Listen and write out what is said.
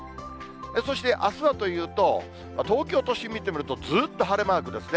そして、あすはというと、東京都心見てみると、ずっと晴れマークですね。